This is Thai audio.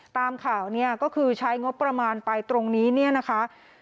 ตามข่าวเนี่ยก็คือใช้งบประมาณไปตรงนี้เนี่ยนะคะ